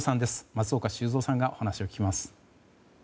松岡修造さんがお話を聞きます。